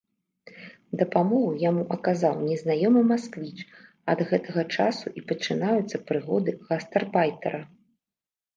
Дапамогу яму аказаў незнаёмы масквіч, ад гэтага часу і пачынаюцца прыгоды гастарбайтэра.